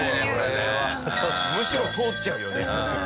むしろ通っちゃうよね。